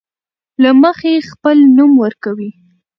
له مخې خپل نوم ورکوي.